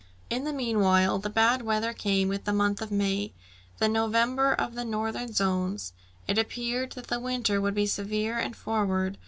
In the meanwhile, the bad weather came with the month of May, the November of the northern zones. It appeared that the winter would be severe and forward.